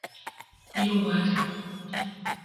Bio Mater.